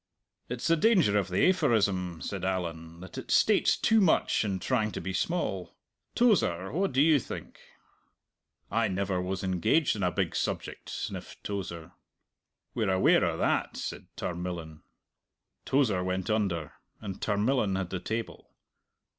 "It's the danger of the aphorism," said Allan, "that it states too much in trying to be small. Tozer, what do you think?" "I never was engaged on a big subject," sniffed Tozer. "We're aware o' that!" said Tarmillan. Tozer went under, and Tarmillan had the table.